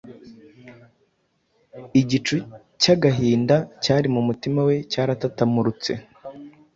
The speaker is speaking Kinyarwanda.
Igicu cy’agahinda cyari mu mutima we cyaratamurutse.